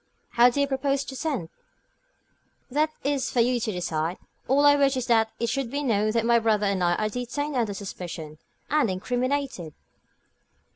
"How do you propose to send?" "That is for you to decide. All I wish is that it should be known that my brother and I are detained under suspicion, and incriminated."